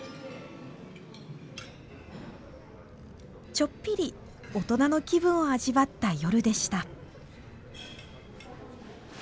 ちょっぴり大人の気分を味わった夜でした。